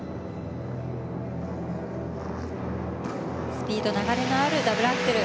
スピード流れのあるダブルアクセル。